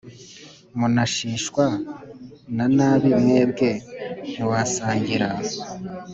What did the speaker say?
Munashishwa na nabi mwebwe ntitwasangira